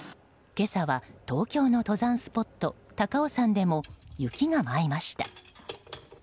今朝は東京の登山スポット高尾山でも雪が舞いました。